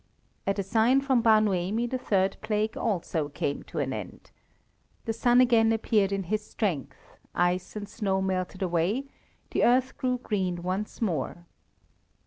At a sign from Bar Noemi the third plague also came to an end. The sun again appeared in his strength; ice and snow melted away; the earth grew green once more.